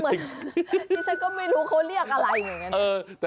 ดิฉันก็ไม่รู้เขาเรียกอะไรเหมือนกัน